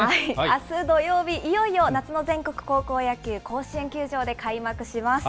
あす土曜日、いよいよ夏の全国高校野球、甲子園球場で開幕します。